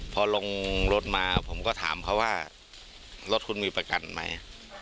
พอลงรถมาผมก็ถามเขาว่ารถคุณมีประกันไหม